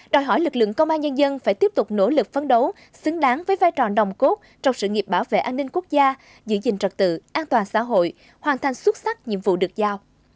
đòi hỏi lực lượng công an nhân dân phải tiếp tục nỗ lực phấn đấu xứng đáng với vai trò nồng cốt trong sự nghiệp bảo vệ an ninh quốc gia giữ gìn trật tự an toàn xã hội hoàn thành xuất sắc nhiệm vụ được giao